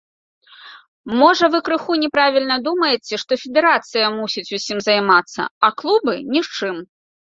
Можа вы крыху няправільна думаеце, што федэрацыя мусіць усім займацца, а клубы нічым.